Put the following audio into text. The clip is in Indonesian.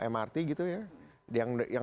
mrt gitu ya yang